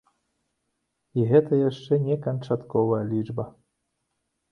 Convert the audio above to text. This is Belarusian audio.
І гэта яшчэ не канчатковая лічба.